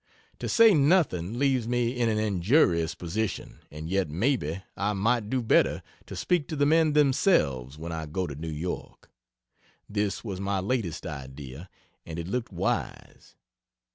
To say nothing leaves me in an injurious position and yet maybe I might do better to speak to the men themselves when I go to New York. This was my latest idea, and it looked wise.